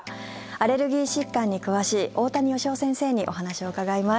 アレルギー疾患に詳しい大谷義夫先生にお話を伺います。